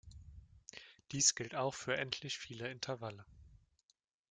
Dies gilt auch für endlich viele Intervalle.